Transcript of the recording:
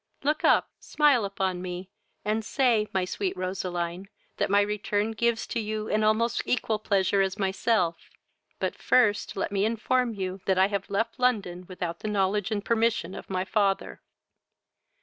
Look up, smile upon me, and say, my sweet Roseline, that my return gives to you an almost equal pleasure as myself; but, first, let me inform you that I have left London without the knowledge and permission of my father."